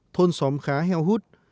thôn xóm khá heo hút